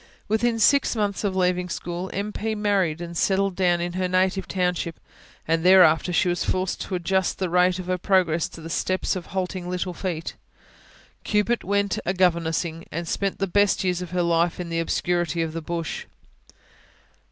Within six months of leaving school, M. P. married and settled down in her native township; and thereafter she was forced to adjust the rate of her progress to the steps of halting little feet. Cupid went a governessing, and spent the best years of her life in the obscurity of the bush.